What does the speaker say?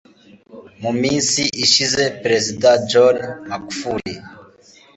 Mu minshi ishize Perezida John Magufuli